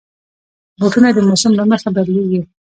بوټونه د موسم له مخې بدلېږي.